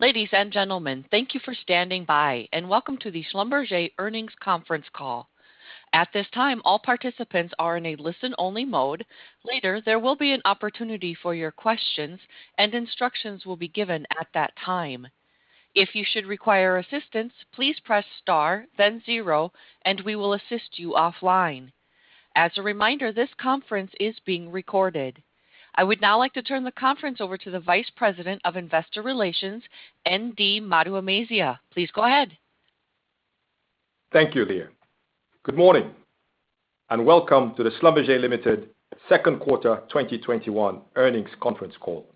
Ladies and gentlemen, thank you for standing by, and welcome to the Schlumberger Earnings Conference Call. At this time, all participants are in a listen-only mode. Later, there will be an opportunity for your questions, and instructions will be given at that time. If you should require assistance, please press star, then zero, and we will assist you offline. As a reminder, this conference is being recorded. I would now like to turn the conference over to the Vice President of Investor Relations, ND Maduemezia. Please go ahead. Thank you, Leah. Good morning, and welcome to the Schlumberger Limited Q2 2021 earnings conference call.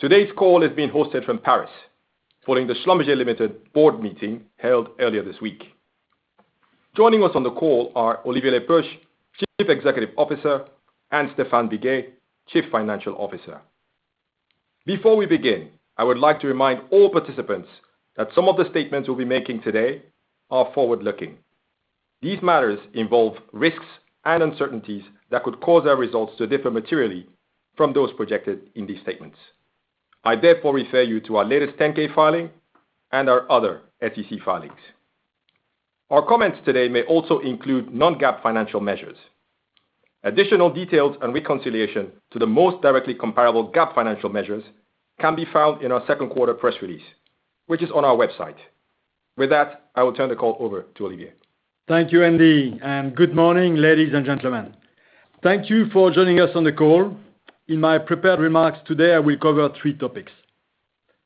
Today's call is being hosted from Paris following the Schlumberger Limited board meeting held earlier this week. Joining us on the call are Olivier Le Peuch, Chief Executive Officer, and Stéphane Biguet, Chief Financial Officer. Before we begin, I would like to remind all participants that some of the statements we'll be making today are forward-looking. These matters involve risks and uncertainties that could cause our results to differ materially from those projected in these statements. I therefore refer you to our latest 10-K filing and our other SEC filings. Our comments today may also include non-GAAP financial measures. Additional details and reconciliation to the most directly comparable GAAP financial measures can be found in our Q2 press release, which is on our website. With that, I will turn the call over to Olivier. Thank you, ND, and good morning, ladies and gentlemen. Thank you for joining us on the call. In my prepared remarks today, I will cover three topics: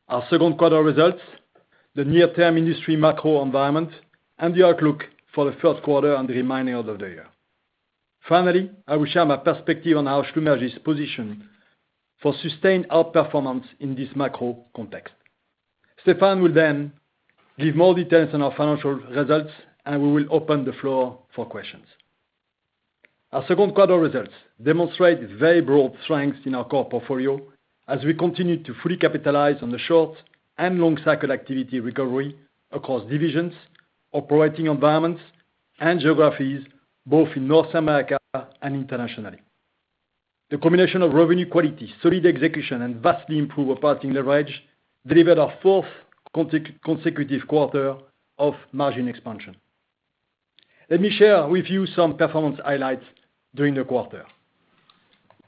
Our Q2 results, the near-term industry macro environment, and the outlook for Q1 and the remaining of the year. Finally, I will share my perspective on how Schlumberger is positioned for sustained outperformance in this macro context. Stéphane will then give more details on our financial results, and we will open the floor for questions. Our Q2 results demonstrate very broad strengths in our core portfolio as we continue to fully capitalize on the short- and long-cycle activity recovery across divisions, operating environments, and geographies, both in North America and internationally. The combination of revenue quality, solid execution, and vastly improved operating leverage delivered our fourth consecutive quarter of margin expansion. Let me share with you some performance highlights during the quarter.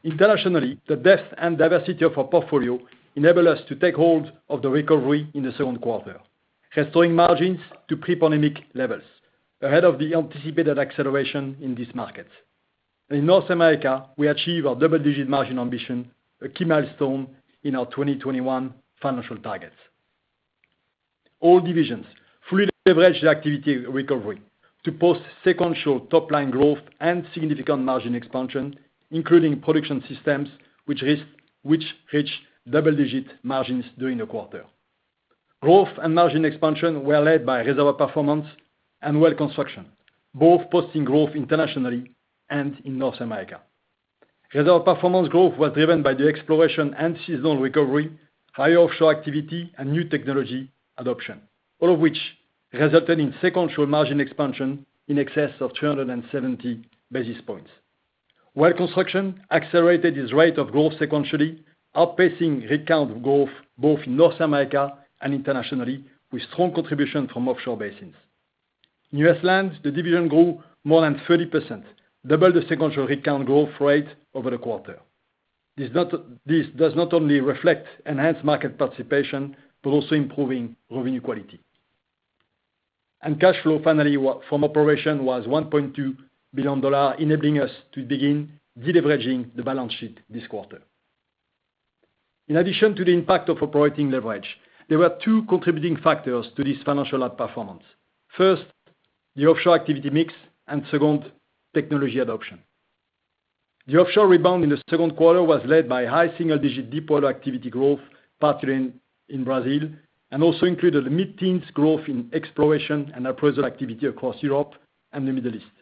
Internationally, the depth and diversity of our portfolio enable us to take hold of the recovery in Q2, restoring margins to pre-pandemic levels ahead of the anticipated acceleration in these markets. In North America, we achieved our double-digit margin ambition, a key milestone in our 2021 financial targets. All divisions fully leveraged the activity recovery to post sequential top-line growth and significant margin expansion, including production systems which reached double-digit margins during the quarter. Growth and margin expansion were led by Reservoir Performance and Well Construction, both posting growth internationally and in North America. Reservoir Performance growth was driven by the exploration and seasonal recovery, higher offshore activity, and new technology adoption, all of which resulted in sequential margin expansion in excess of 370 basis points. Well, Construction accelerated its rate of growth sequentially, outpacing rig count growth both in North America and internationally, with strong contribution from offshore basins. In U.S. land, the division grew more than 30%, double the sequential rig count growth rate over the quarter. This does not only reflect enhanced market participation but also improving revenue quality. Cash flow, finally, from operation was $1.2 billion, enabling us to begin de-leveraging the balance sheet this quarter. In addition to the impact of operating leverage, there were two contributing factors to this financial outperformance. First, the offshore activity mix, and second, technology adoption. The offshore rebound in Q2 was led by high single-digit deepwater activity growth, particularly in Brazil, and also included mid-teens growth in exploration and appraisal activity across Europe and the Middle East.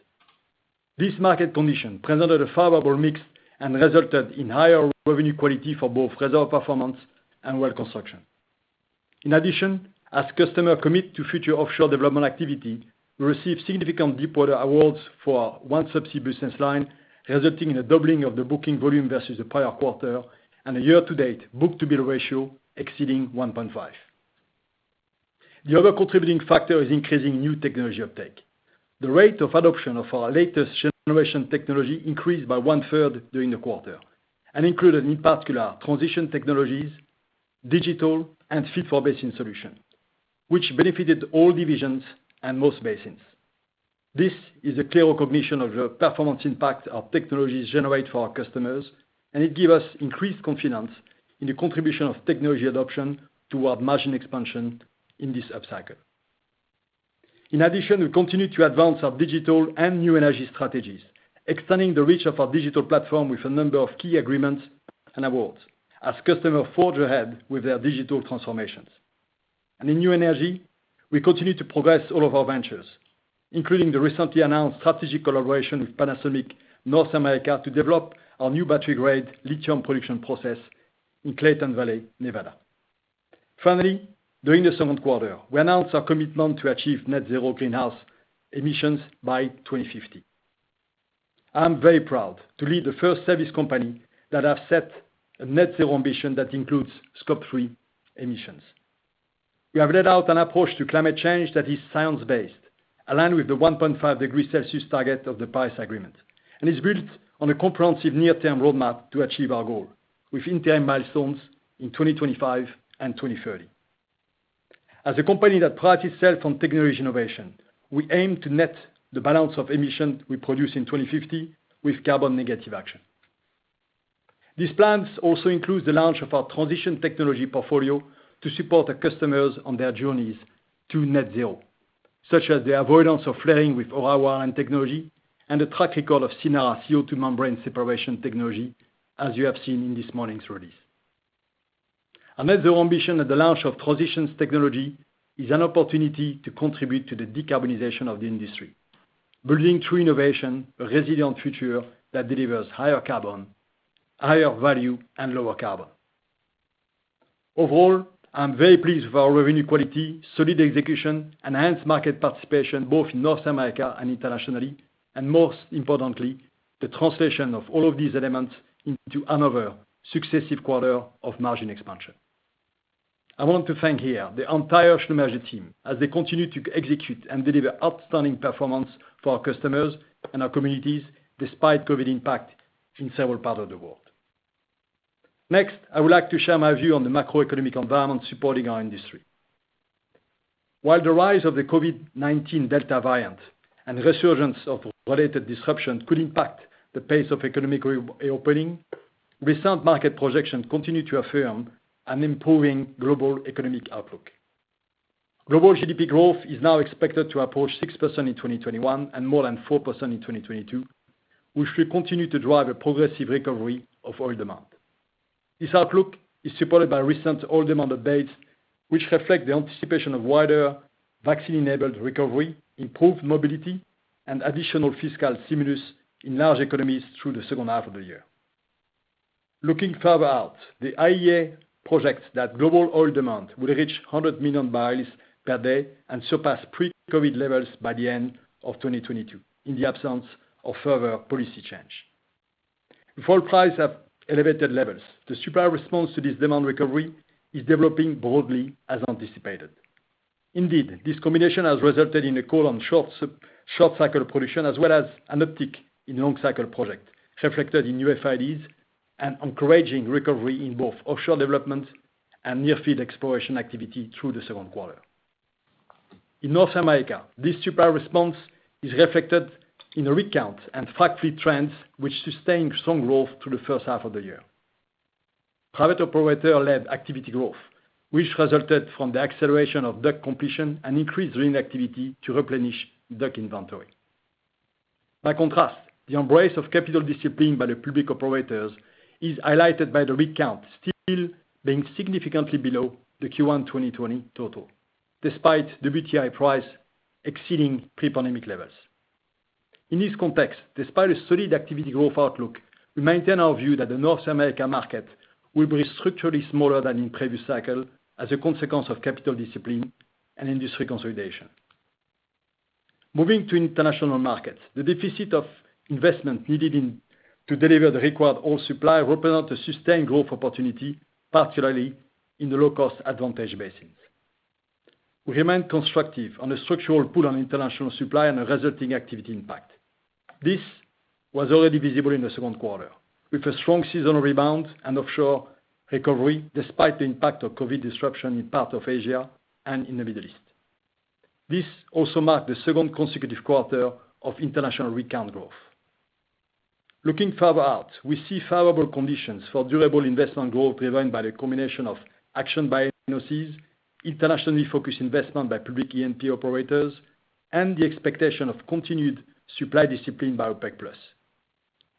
This market condition presented a favorable mix and resulted in higher revenue quality for both Reservoir Performance and Well Construction. In addition, as customers commit to future offshore development activity, we received significant deepwater awards for our OneSubsea business line, resulting in a doubling of the booking volume versus the prior quarter and a year-to-date book-to-bill ratio exceeding 1.5. The other contributing factor is increasing new technology uptake. The rate of adoption of our latest generation technology increased by one-third during the quarter and included, in particular, transition technologies, digital, and fit-for-basin solution, which benefited all divisions and most basins. This is a clear recognition of the performance impact our technologies generate for our customers, and it gives us increased confidence in the contribution of technology adoption to our margin expansion in this upcycle. In addition, we continue to advance our Digital & Integration and New Energy strategies, extending the reach of our digital platform with a number of key agreements and awards as customers forge ahead with their digital transformations. In New Energy, we continue to progress all of our ventures, including the recently announced strategic collaboration with Panasonic Energy of North America to develop our new battery-grade lithium production process in Clayton Valley, Nevada. Finally, during Q2, we announced our commitment to achieve net zero greenhouse emissions by 2050. I'm very proud to lead the first service company that has set a net-zero ambition that includes Scope 3 emissions. We have laid out an approach to climate change that is science-based, aligned with the 1.5 degrees Celsius target of the Paris Agreement, and is built on a comprehensive near-term roadmap to achieve our goal with interim milestones in 2025 and 2030. As a company that prides itself on technology innovation, we aim to net the balance of emissions we produce in 2050 with carbon negative action. These plans also include the launch of our transition technology portfolio to support the customers on their journeys to net zero, such as the avoidance of flaring with Ora technology and the track record of Cynara CO2 membrane separation technology, as you have seen in this morning's release. Our net-zero ambition at the launch of transitions technology is an opportunity to contribute to the decarbonization of the industry, building through innovation, a resilient future that delivers higher value and lower carbon. Overall, I'm very pleased with our revenue quality, solid execution, enhanced market participation both in North America and internationally, and most importantly, the translation of all of these elements into another successive quarter of margin expansion. I want to thank here the entire Schlumberger team as they continue to execute and deliver outstanding performance for our customers and our communities, despite COVID impact in several parts of the world. Next, I would like to share my view on the macroeconomic environment supporting our industry. While the rise of the COVID-19 Delta variant and resurgence of related disruption could impact the pace of economic reopening, recent market projections continue to affirm an improving global economic outlook. Global GDP growth is now expected to approach 6% in 2021 and more than 4% in 2022, which will continue to drive a progressive recovery of oil demand. This outlook is supported by recent oil demand updates, which reflect the anticipation of wider vaccine-enabled recovery, improved mobility, and additional fiscal stimulus in large economies through the second half of the year. Looking further out, the IEA projects that global oil demand will reach 100 million barrels per day and surpass pre-COVID-19 levels by the end of 2022 in the absence of further policy change. With oil prices at elevated levels, the supply response to this demand recovery is developing broadly as anticipated. Indeed, this combination has resulted in a call on short cycle production as well as an uptick in long cycle project, reflected in new FIDs and encouraging recovery in both offshore development and near field exploration activity through Q2. In North America, this supply response is reflected in the rig count and frac fleet trends, which sustained strong growth through the first half of the year. Private operator-led activity growth, which resulted from the acceleration of DUC completion and increased rig activity to replenish DUC inventory. By contrast, the embrace of capital discipline by the public operators is highlighted by the rig count still being significantly below Q1 2020 total, despite the WTI price exceeding pre-pandemic levels. In this context, despite a solid activity growth outlook, we maintain our view that the North American market will be structurally smaller than in previous cycle as a consequence of capital discipline and industry consolidation. Moving to international markets, the deficit of investment needed to deliver the required oil supply will open up a sustained growth opportunity, particularly in the low-cost advantage basins. We remain constructive on the structural pull on international supply and the resulting activity impact. This was already visible in Q2 with a strong seasonal rebound and offshore recovery despite the impact of COVID disruption in parts of Asia and in the Middle East. This also marked the second consecutive quarter of international rig count growth. Looking further out, we see favorable conditions for durable investment growth driven by the combination of action by NOCs, internationally focused investment by public E&P operators, and the expectation of continued supply discipline by OPEC+,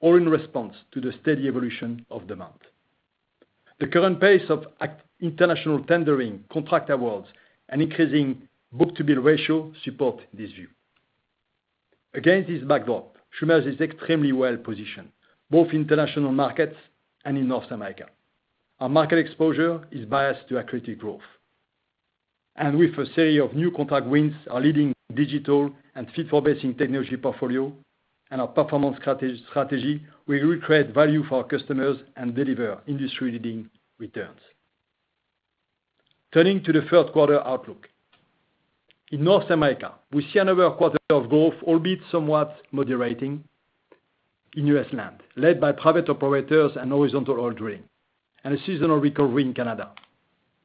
all in response to the steady evolution of demand. The current pace of international tendering, contract awards, and increasing book-to-bill ratio support this view. Against this backdrop, Schlumberger is extremely well-positioned, both in international markets and in North America. Our market exposure is biased to accretive growth. With a series of new contract wins, our leading digital and fit-for-basin technology portfolio and our performance strategy will create value for our customers and deliver industry-leading returns. Turning to Q3 outlook. In North America, we see another quarter of growth, albeit somewhat moderating in U.S. land, led by private operators and horizontal oil drilling, and a seasonal recovery in Canada.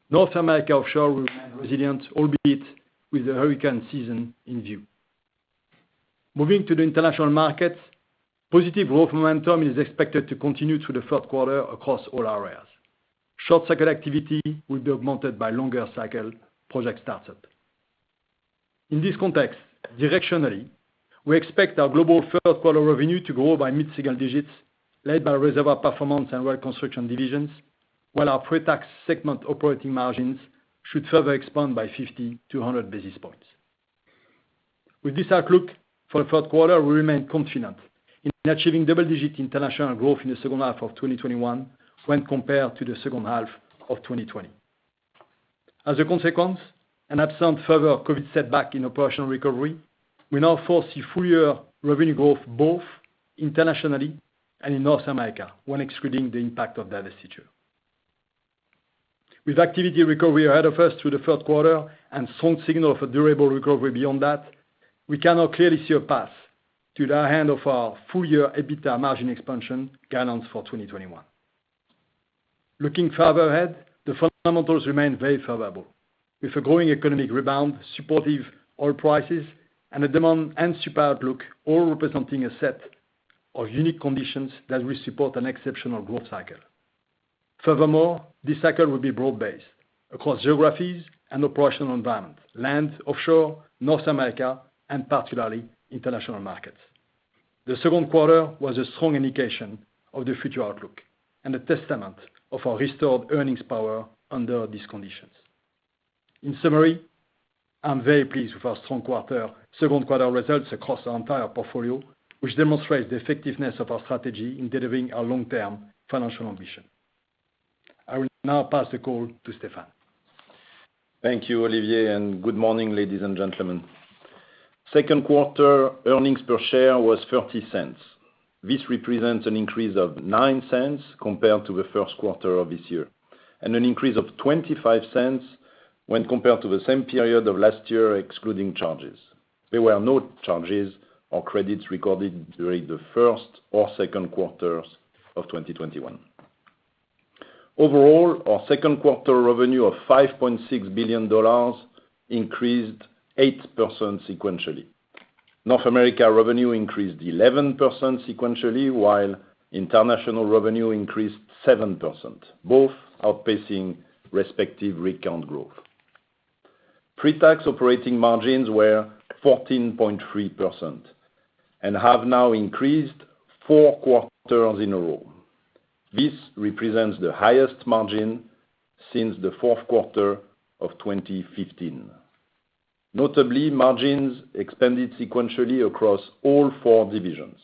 North America offshore will remain resilient, albeit with the hurricane season in view. Moving to the international markets, positive growth momentum is expected to continue through Q3 across all areas. Short cycle activity will be augmented by longer cycle project starts up. In this context, directionally, we expect our global Q3 revenue to grow by mid-single digits, led by Reservoir Performance and Well Construction divisions, while our pre-tax segment operating margins should further expand by 50 to 100 basis points. With this outlook for Q3, we remain confident in achieving double-digit international growth in the second half of 2021 when compared to the second half of 2020. As a consequence, and absent further COVID-19 setback in operational recovery, we now foresee full-year revenue growth both internationally and in North America when excluding the impact of that issue. With activity recovery ahead of us through Q3 and strong signal of a durable recovery beyond that, we can now clearly see a path to the hand off our full-year EBITDA margin expansion guidance for 2021. Looking further ahead, the fundamentals remain very favorable. With a growing economic rebound, supportive oil prices, and a demand and supply outlook, all representing a set of unique conditions that will support an exceptional growth cycle. Furthermore, this cycle will be broad-based across geographies and operational environments, land, offshore, North America, and particularly international markets. Q2 was a strong indication of the future outlook and a testament of our restored earnings power under these conditions. In summary, I am very pleased with our strong Q2 results across our entire portfolio, which demonstrates the effectiveness of our strategy in delivering our long-term financial ambition. I will now pass the call to Stéphane. Thank you, Olivier, and good morning, ladies and gentlemen. Q2 earnings per share was $0.30. This represents an increase of $0.09 compared to Q1 of this year, and an increase of $0.25 when compared to the same period of last year, excluding charges. There were no charges or credits recorded during Q1 or Q2 of 2021. Overall, our Q2 revenue of $5.6 billion increased 8% sequentially. North America revenue increased 11% sequentially, while international revenue increased 7%, both outpacing respective rig count growth. Pre-tax operating margins were 14.3% and have now increased four quarters in a row. This represents the highest margin since Q4 of 2015. Notably, margins expanded sequentially across all four divisions.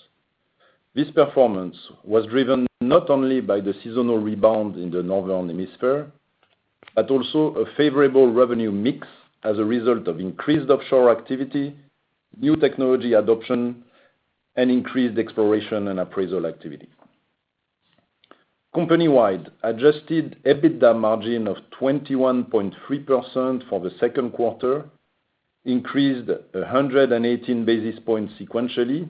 This performance was driven not only by the seasonal rebound in the Northern Hemisphere, but also a favorable revenue mix as a result of increased offshore activity, new technology adoption, and increased exploration and appraisal activity. Company-wide adjusted EBITDA margin of 21.3% for Q2 increased 118 basis points sequentially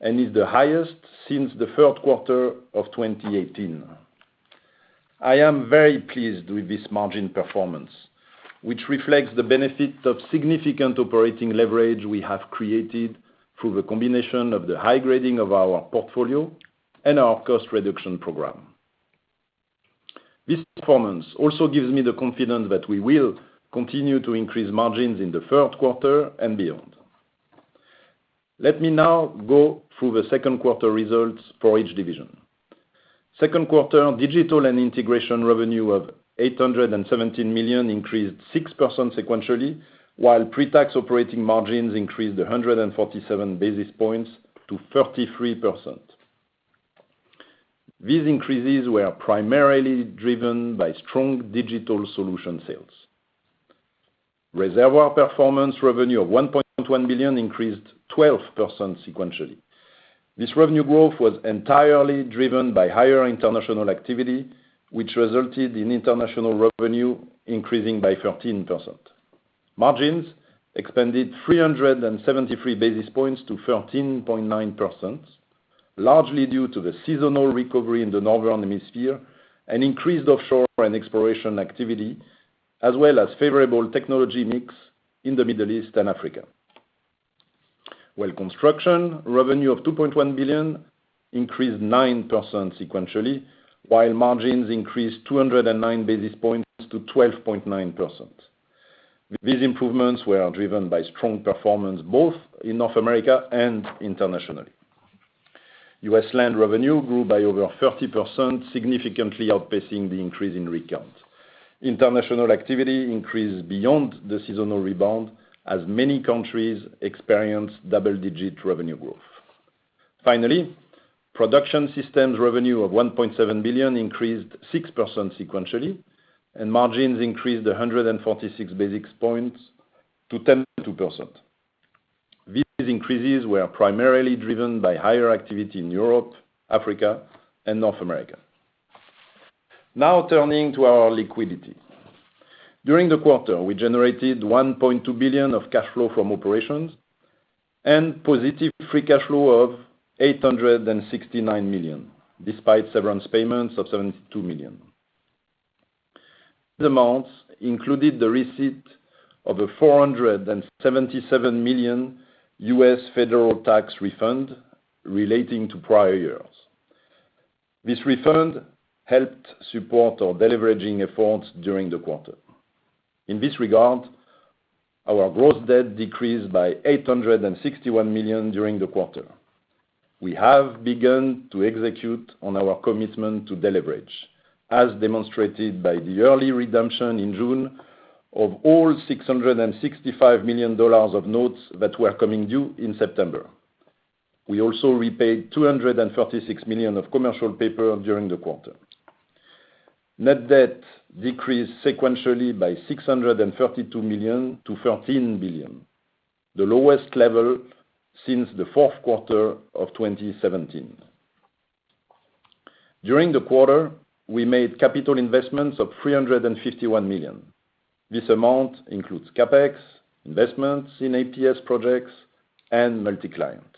and is the highest since Q3 of 2018. I am very pleased with this margin performance, which reflects the benefit of significant operating leverage we have created through the combination of the high grading of our portfolio and our cost reduction program. This performance also gives me the confidence that we will continue to increase margins in Q3 and beyond. Let me now go through Q2 results for each division. Q2 Digital & Integration revenue of $817 million increased 6% sequentially, while pre-tax operating margins increased 147 basis points to 33%. These increases were primarily driven by strong digital solution sales. Reservoir Performance revenue of $1.1 billion increased 12% sequentially. This revenue growth was entirely driven by higher international activity, which resulted in international revenue increasing by 13%. Margins expanded 373 basis points to 13.9%, largely due to the seasonal recovery in the Northern Hemisphere and increased offshore and exploration activity, as well as favorable technology mix in the Middle East and Africa. Well Construction revenue of $2.1 billion increased 9% sequentially, while margins increased 209 basis points to 12.9%. These improvements were driven by strong performance both in North America and internationally. U.S. land revenue grew by over 30%, significantly outpacing the increase in rig count. International activity increased beyond the seasonal rebound as many countries experienced double-digit revenue growth. Finally, Production Systems revenue of $1.7 billion increased 6% sequentially, and margins increased 146 basis points to 10.2%. These increases were primarily driven by higher activity in Europe, Africa, and North America. Turning to our liquidity. During the quarter, we generated $1.2 billion of cash flow from operations and positive free cash flow of $869 million, despite severance payments of $72 million. These amounts included the receipt of a $477 million U.S. federal tax refund relating to prior years. This refund helped support our deleveraging efforts during the quarter. Our gross debt decreased by $861 million during the quarter. We have begun to execute on our commitment to deleverage, as demonstrated by the early redemption in June of all $665 million of notes that were coming due in September. We also repaid $236 million of commercial paper during the quarter. Net debt decreased sequentially by $632 million to $13 billion, the lowest level since Q4 of 2017. During the quarter, we made capital investments of $351 million. This amount includes CapEx, investments in APS projects, and multiclient.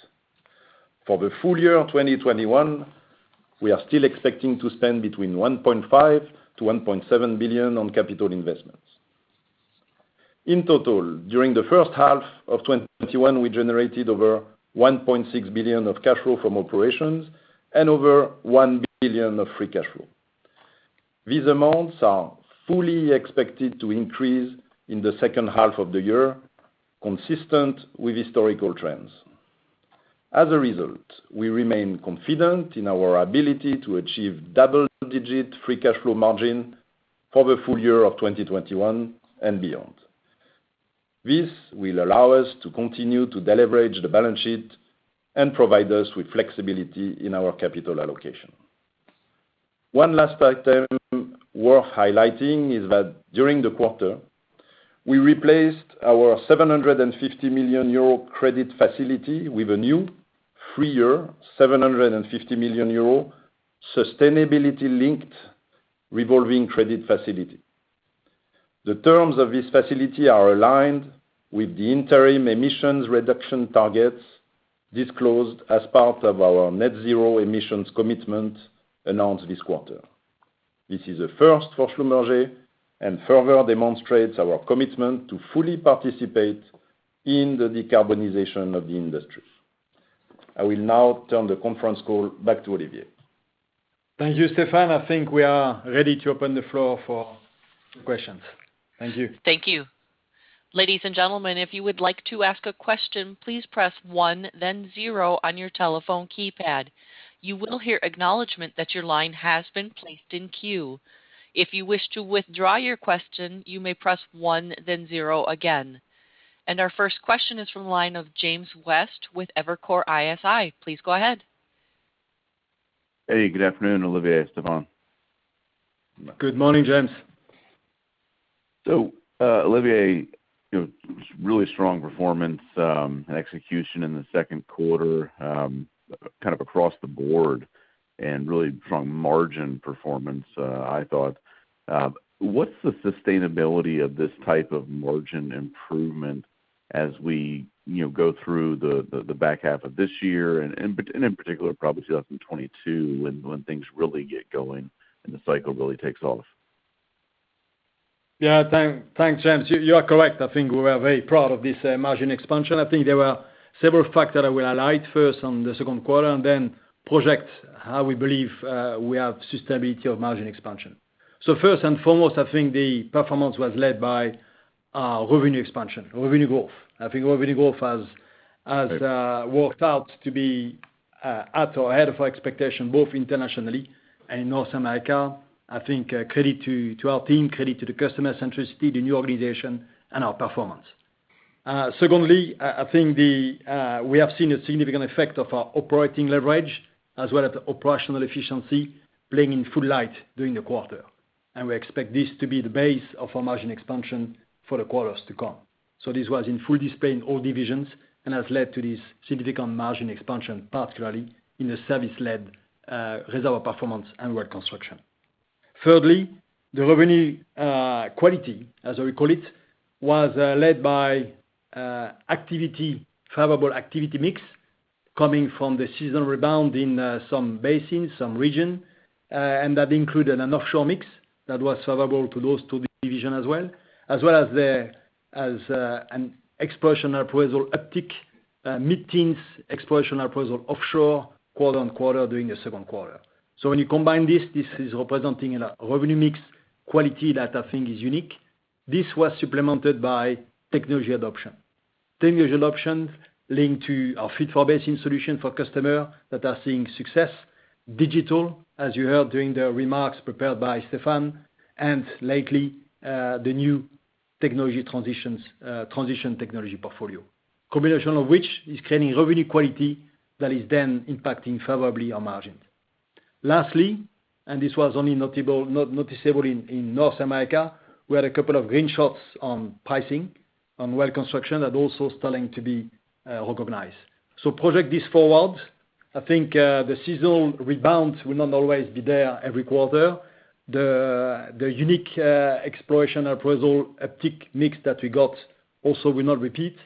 For the full year 2021, we are still expecting to spend between $1.5 billion-$1.7 billion on capital investments. In total, during the first half of 2021, we generated over $1.6 billion of cash flow from operations and over $1 billion of free cash flow. These amounts are fully expected to increase in the second half of the year, consistent with historical trends. As a result, we remain confident in our ability to achieve double-digit free cash flow margin for the full year of 2021 and beyond. This will allow us to continue to deleverage the balance sheet and provide us with flexibility in our capital allocation. One last item worth highlighting is that during the quarter, we replaced our 750 million euro credit facility with a new 3-year, 750 million euro sustainability-linked revolving credit facility. The terms of this facility are aligned with the interim emissions reduction targets disclosed as part of our net zero emissions commitment announced this quarter. This is a first for Schlumberger and further demonstrates our commitment to fully participate in the decarbonization of the industry. I will now turn the conference call back to Olivier. Thank you, Stéphane. I think we are ready to open the floor for questions. Thank you. Thank you. Ladies and gentlemen, if you would like to ask a question, please press one then zero on your telephone keypad. You will hear acknowledgement that your line has been placed in queue. If you wish to withdraw your question, you may press one then zero again. Our first question is from the line of James West with Evercore ISI. Please go ahead. Hey, good afternoon, Olivier and Stéphane. Good morning, James. Olivier, really strong performance and execution in Q2, kind of across the board, and really strong margin performance, I thought. What's the sustainability of this type of margin improvement as we go through the back half of this year and in particular, probably 2022 when things really get going and the cycle really takes off? Thanks, James. You are correct. I think we are very proud of this margin expansion. I think there were several factors that we aligned first on Q2 and then project how we believe we have sustainability of margin expansion. First and foremost, I think the performance was led by revenue expansion, revenue growth has worked out to be at or ahead of our expectation, both internationally and North America. I think credit to our team, credit to the customer centricity, the new organization, and our performance. Secondly, I think we have seen a significant effect of our operating leverage as well as the operational efficiency playing in full light during the quarter, and we expect this to be the base of our margin expansion for the quarters to come. This was in full display in all divisions and has led to this significant margin expansion, particularly in the service-led Reservoir Performance and Well Construction. Thirdly, the revenue quality, as we call it, was led by favorable activity mix coming from the seasonal rebound in some basins, some region, and that included an offshore mix that was favorable to those two division as well, as well as an exploration appraisal uptick, mid-teens exploration appraisal offshore quarter-on-quarter during Q2. When you combine this is representing a revenue mix quality that I think is unique. This was supplemented by technology adoption. Technology adoption linked to our fit-for-basin solution for customer that are seeing success. Digital, as you heard during the remarks prepared by Stéphane, lately, the new transition technology portfolio. Combination of which is creating revenue quality that is then impacting favorably our margins. Lastly, this was only noticeable in North America, we had a couple of green shots on pricing, on well construction that also starting to be recognized. Project this forward, I think, the seasonal rebound will not always be there every quarter. The unique exploration appraisal uptick mix that we got also will not repeat,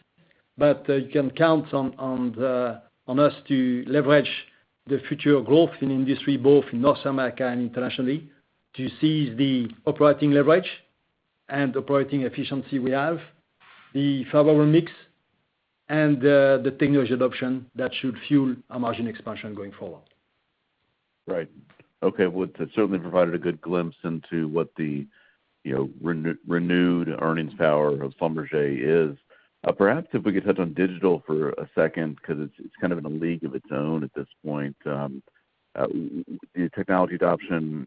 but you can count on us to leverage the future growth in industry, both in North America and internationally, to seize the operating leverage and operating efficiency we have, the favorable mix, and the technology adoption that should fuel our margin expansion going forward. Right. Okay. Well, that certainly provided a good glimpse into what the renewed earnings power of Schlumberger is. Perhaps if we could touch on digital for a second because it's kind of in a league of its own at this point. The technology adoption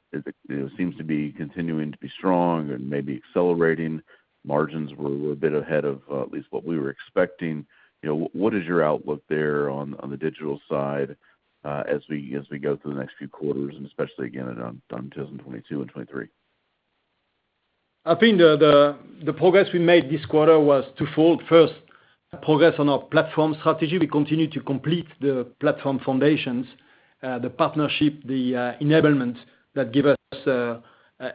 seems to be continuing to be strong and maybe accelerating. Margins were a bit ahead of at least what we were expecting. What is your outlook there on the digital side as we go through the next few quarters, and especially again on 2022 and 2023? I think the progress we made this quarter was twofold. First, progress on our platform strategy. We continued to complete the platform foundations, the partnership, the enablement that give us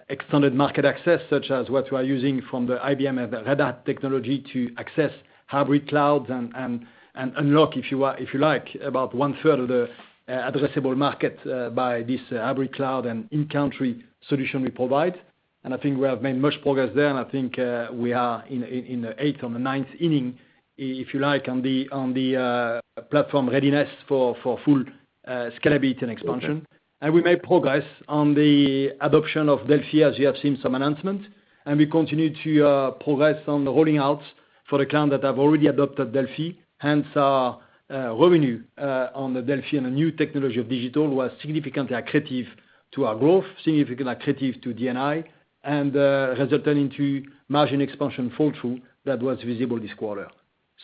extended market access, such as what we are using from the IBM Red Hat technology to access hybrid clouds and unlock, if you like, about 1/3 of the addressable market by this hybrid cloud and in-country solution we provide. I think we have made much progress there, and I think we are in the eighth or the ninth inning, if you like, on the platform readiness for full scalability and expansion. We made progress on the adoption of Delfi, as you have seen some announcements. We continued to progress on the rolling outs for the clients that have already adopted Delfi, hence our revenue on the Delfi and the new technology of digital was significantly accretive to our growth, significantly accretive to D&I, and resulting into margin expansion follow-through that was visible this quarter.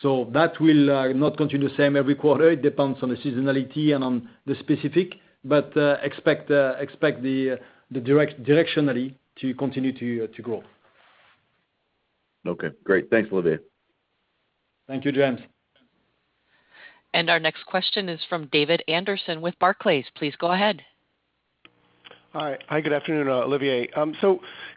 That will not continue the same every quarter. It depends on the seasonality and on the specific, but expect the directionally to continue to grow. Okay, great. Thanks, Olivier. Thank you, James. Our next question is from David Anderson with Barclays. Please go ahead. All right. Hi, good afternoon, Olivier.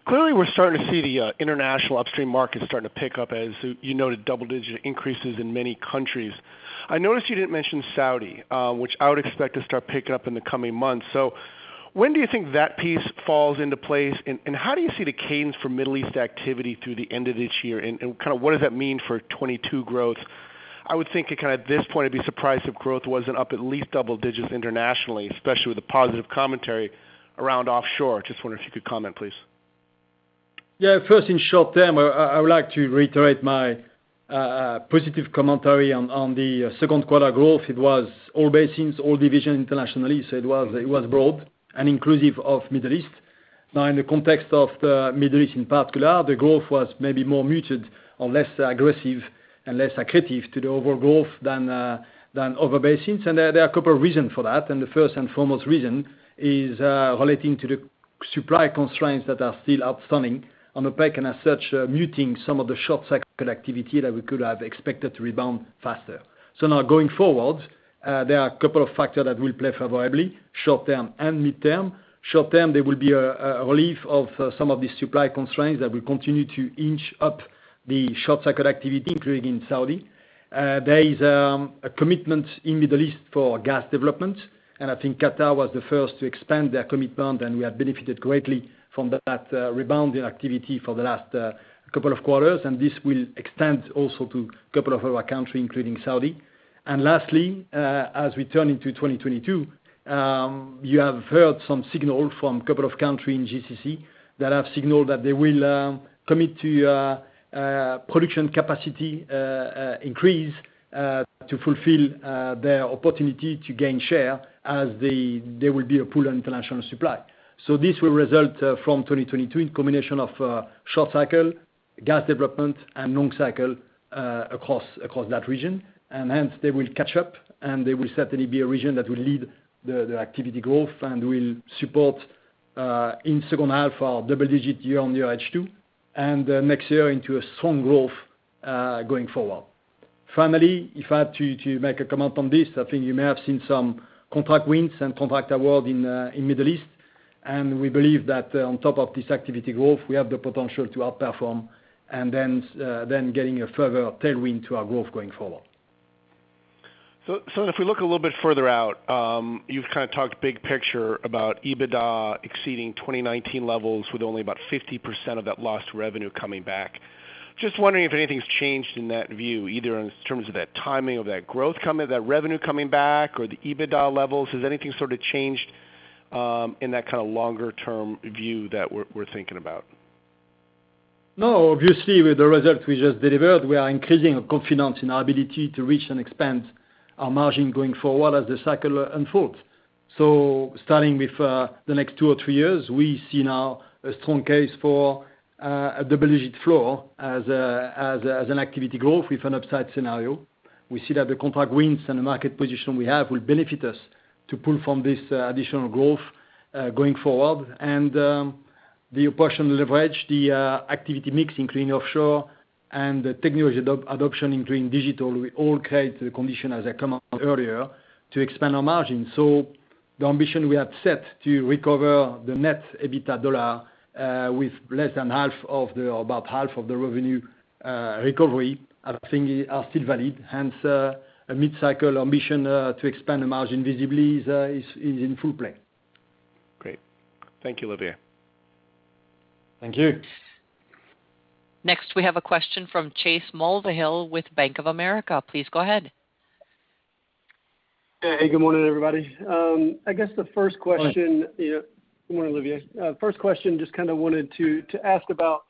Clearly we're starting to see the international upstream markets starting to pick up, as you noted double-digit increases in many countries. I noticed you didn't mention Saudi, which I would expect to start picking up in the coming months. When do you think that piece falls into place, and how do you see the cadence for Middle East activity through the end of this year and what does that mean for 2022 growth? I would think at this point, I'd be surprised if growth wasn't up at least double digits internationally, especially with the positive commentary around offshore. Just wondering if you could comment, please. First, in short-term, I would like to reiterate my positive commentary on Q2 growth. It was all basins, all division internationally. It was broad and inclusive of the Middle East. Now, in the context of the Middle East in particular, the growth was maybe more muted or less aggressive and less accretive to the overall growth than other basins. There are a couple of reasons for that. The first and foremost reason is relating to the supply constraints that are still outstanding on the back end, as such, muting some of the short cycle activity that we could have expected to rebound faster. Now going forward, there are a couple of factors that will play favorably, short-term and mid-term. Short-term, there will be a relief of some of these supply constraints that will continue to inch up the short cycle activity, including in Saudi. There is a commitment in the Middle East for gas development, I think Qatar was the first to expand their commitment, and we have benefited greatly from that rebounding activity for the last couple of quarters. This will extend also to a couple of other countries, including Saudi. Lastly, as we turn into 2022, you have heard some signals from a couple of countries in GCC that have signaled that they will commit to production capacity increase to fulfill their opportunity to gain share as there will be a pull on international supply. This will result from 2022 in combination of short cycle gas development and long cycle across that region. Hence they will catch up, and they will certainly be a region that will lead the activity growth and will support in second half our double-digit year-over-year H2, and next year into a strong growth going forward. Finally, if I had to make a comment on this, I think you may have seen some contract wins and contract awards in the Middle East. We believe that on top of this activity growth, we have the potential to outperform and hence then getting a further tailwind to our growth going forward. If we look a little bit further out, you've kind of talked big picture about EBITDA exceeding 2019 levels with only about 50% of that lost revenue coming back. Just wondering if anything's changed in that view, either in terms of that timing of that growth coming, that revenue coming back, or the EBITDA levels. Has anything sort of changed in that kind of longer-term view that we're thinking about? Obviously, with the results we just delivered, we are increasing our confidence in our ability to reach and expand our margin going forward as the cycle unfolds. Starting with the next two or three years, we see now a strong case for a double-digit floor as an activity growth with an upside scenario. We see that the contract wins and the market position we have will benefit us to pull from this additional growth going forward. The operational leverage, the activity mix including offshore and the technology adoption, including digital, will all create the condition, as I commented earlier, to expand our margin. The ambition we have set to recover the net EBITDA dollar with less than half or about half of the revenue recovery, I think are still valid, hence a mid-cycle ambition to expand the margin visibly is in full play. Great. Thank you, Olivier. Thank you. Next, we have a question from Chase Mulvehill with Bank of America. Please go ahead. Hey, good morning, everybody. I guess the first question. Morning. Good morning, Olivier. First question, just kind of wanted to ask about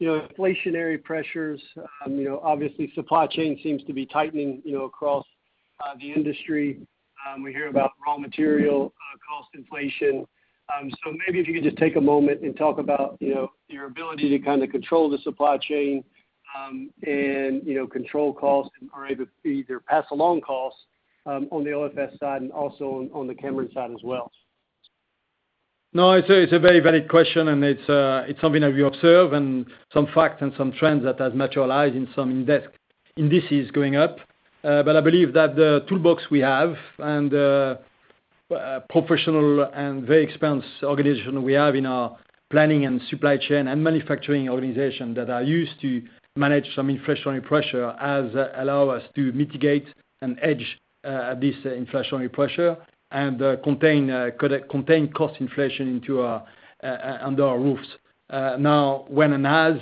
inflationary pressures. Supply chain seems to be tightening across the industry. We hear about raw material cost inflation. Maybe if you could just take a moment and talk about your ability to kind of control the supply chain and control costs and are able to either pass along costs on the OFS side and also on the Cameron side as well. It's a very valid question, and it's something that we observe and some facts and some trends that has materialized in some indexes going up. I believe that the toolbox we have and the professional and very experienced organization we have in our planning and supply chain and manufacturing organization that are used to manage some inflationary pressure has allowed us to mitigate and hedge this inflationary pressure and contain cost inflation under our roofs. When and as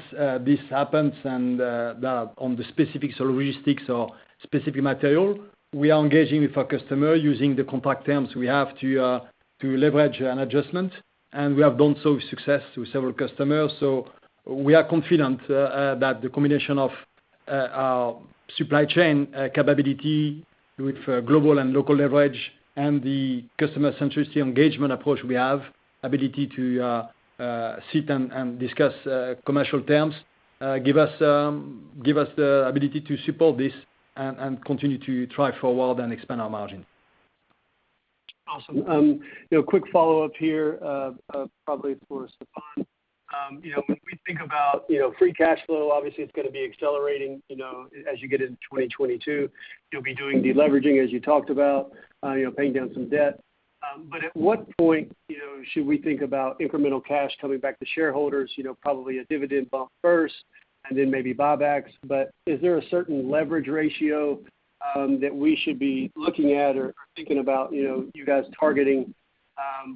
this happens and on the specifics or heuristics or specific material, we are engaging with our customer using the contract terms we have to leverage an adjustment, and we have done so with success to several customers. We are confident that the combination of our supply chain capability with global and local leverage and the customer centricity engagement approach we have ability to sit and discuss commercial terms, give us the ability to support this and continue to thrive for a while then expand our margin. Awesome. Quick follow-up here, probably for Stéphane. When we think about free cash flow, obviously it's going to be accelerating as you get into 2022. You'll be doing de-leveraging, as you talked about, paying down some debt. At what point should we think about incremental cash coming back to shareholders, probably a dividend bump first and then maybe buybacks. Is there a certain leverage ratio that we should be looking at or thinking about you guys targeting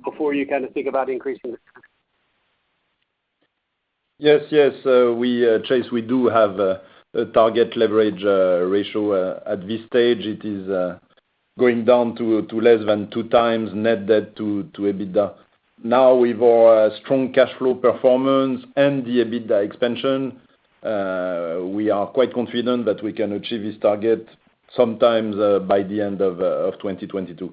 before you kind of think about increasing the? Yes. Chase, we do have a target leverage ratio. At this stage, it is going down to less than two times net debt to EBITDA. With our strong cash flow performance and the EBITDA expansion, we are quite confident that we can achieve this target sometime by the end of 2022.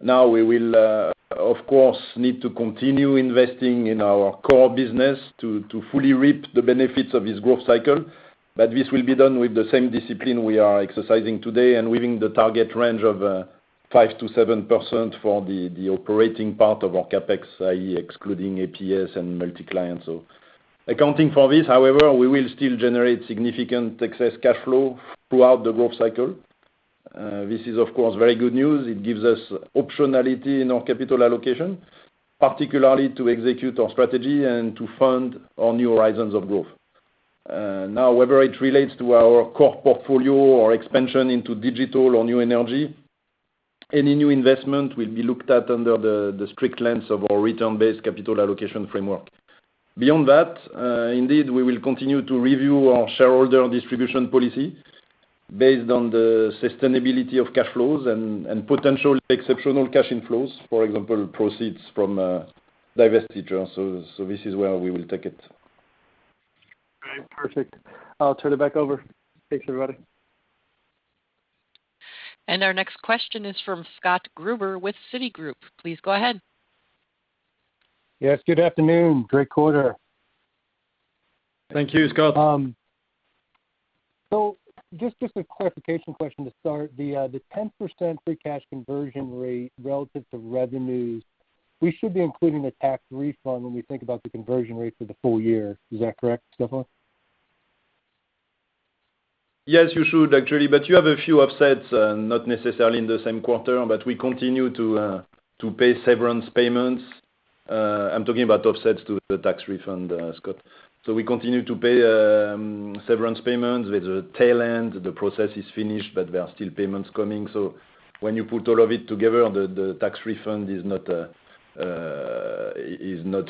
We will, of course, need to continue investing in our core business to fully reap the benefits of this growth cycle. This will be done with the same discipline we are exercising today and within the target range of 5%-7% for the operating part of our CapEx, i.e., excluding APS and multiclient. Accounting for this, however, we will still generate significant excess cash flow throughout the growth cycle. This is, of course, very good news. It gives us optionality in our capital allocation, particularly to execute our strategy and to fund our new horizons of growth. Whether it relates to our core portfolio or expansion into digital or new energy, any new investment will be looked at under the strict lens of our return-based capital allocation framework. Beyond that, indeed, we will continue to review our shareholder distribution policy based on the sustainability of cash flows and potential exceptional cash inflows. For example, proceeds from divestitures. This is where we will take it. All right, perfect. I'll turn it back over. Thanks, everybody. Our next question is from Scott Gruber with Citigroup. Please go ahead. Yes, good afternoon. Great quarter. Thank you, Scott. Just a clarification question to start. The 10% free cash conversion rate relative to revenues, we should be including the tax refund when we think about the conversion rate for the full year. Is that correct, Stéphane? You should actually, but you have a few offsets, not necessarily in the same quarter. We continue to pay severance payments. I'm talking about offsets to the tax refund, Scott. We continue to pay severance payments with the tail end. The process is finished, but there are still payments coming. When you put all of it together, the tax refund is not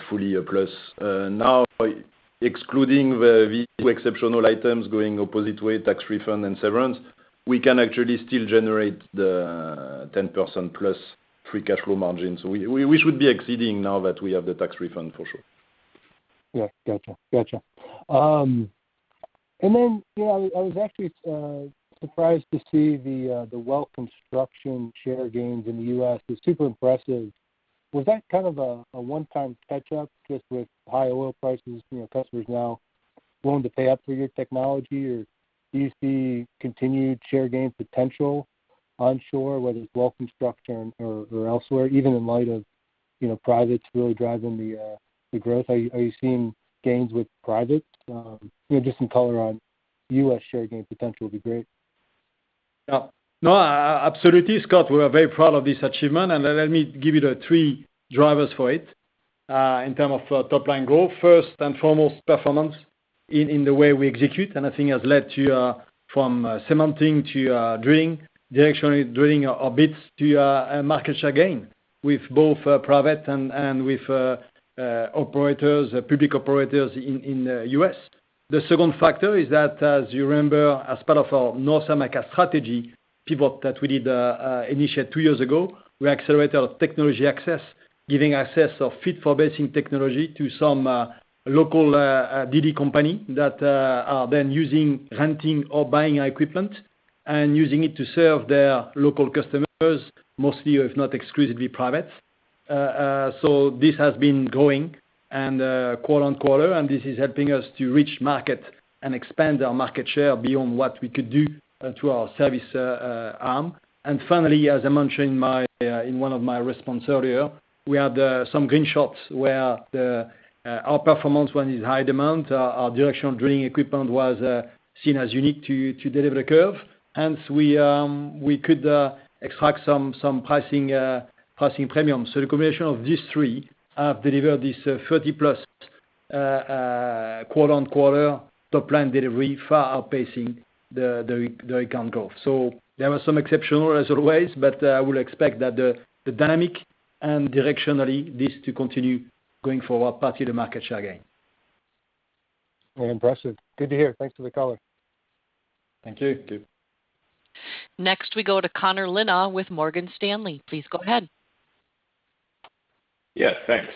fully a plus. Excluding the two exceptional items going opposite way, tax refund and severance, we can actually still generate the 10%+ free cash flow margin. We should be exceeding now that we have the tax refund, for sure. Yes, got you. I was actually surprised to see the Well Construction share gains in the U.S. It was super impressive. Was that kind of a one-time catch up just with high oil prices, customers now willing to pay up for your technology? Do you see continued share gain potential onshore, whether it's Well Construction or elsewhere, even in light of privates really driving the growth? Are you seeing gains with private? Just some color on U.S. share gain potential would be great. No, absolutely, Scott. We are very proud of this achievement. Let me give you the three drivers for it in terms of top line growth. First and foremost, performance in the way we execute, and I think has led to, from cementing to directional drilling our bits to market share gain with both private and with public operators in the U.S. The second factor is that as you remember, as part of our North America strategy pivot that we did initiate two years ago, we accelerated our technology access, giving access of fit-for-basin technology to some local DD company that are then using renting or buying our equipment and using it to serve their local customers, mostly, if not exclusively, private. This has been growing quarter-on-quarter, and this is helping us to reach market and expand our market share beyond what we could do through our service arm. Finally, as I mentioned in one of my response earlier, we had some green shots where our performance when in high demand, our directional drilling equipment was seen as unique to deliver the curve. Hence, we could extract some pricing premium. The combination of these three have delivered this 30+ quarter-on-quarter top line delivery, far outpacing the account growth. There were some exceptional, as always, but I would expect that the dynamic and directionally this to continue going forward, partly the market share gain. Impressive. Good to hear. Thanks for the color. Thank you. Thank you. Next, we go to Connor Lynagh with Morgan Stanley. Please go ahead. Yes, thanks.